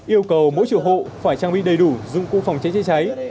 yêu cầu mỗi chủ hộ phải trang bị đầy đủ dung khu phòng cháy chữa cháy